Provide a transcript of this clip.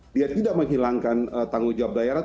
dia tidak menghilangkan tanggung jawab daerah